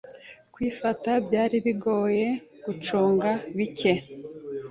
Kwifata byari bigoye gucunga bike